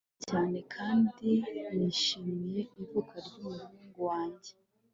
nishimiye cyane kandi nishimiye ivuka ry'umuhungu wanjye